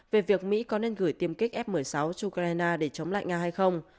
về việc mỹ có nên gửi tiêm kích f một mươi sáu cho ukraine để chống lại nga hay không